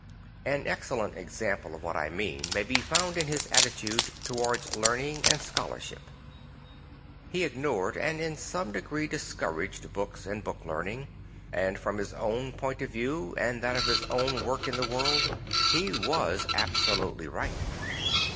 An excellent example of what I mean may b found in his attitude towards learning and scholarship. He ignored and in some degree discouraged books and book learning; and from his own point of view and that of his own work in the world he was absolutely right.